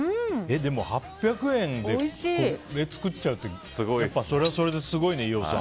でも８００円でこれ作っちゃうってやっぱそれはそれですごいね飯尾さん。